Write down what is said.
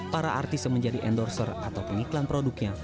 para artis yang menjadi endorser atau pengiklan produknya